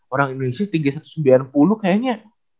orang indonesia setinggi satu ratus sembilan puluh kayaknya